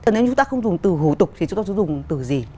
nếu chúng ta không dùng từ hủ tục thì chúng ta sẽ dùng từ gì